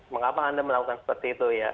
mengapa anda melakukan seperti itu ya